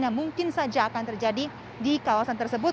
yang mungkin saja akan terjadi di kawasan tersebut